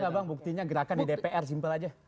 ada gak bang buktinya gerakan di dpr simple aja